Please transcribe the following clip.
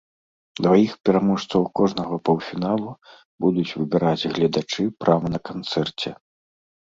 Дваіх пераможцаў кожнага паўфіналу будуць выбіраць гледачы прама на канцэрце.